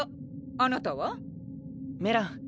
あなたは？メラン。